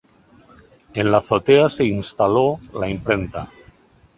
En la azotea se instaló la imprenta.